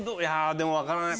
でも分からない。